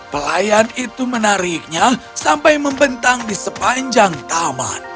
pelayan itu menariknya sampai membentang di sepanjang taman